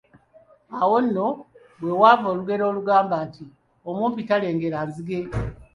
Awo nno we wava olugero olugamba nti omumpi talengera nzige.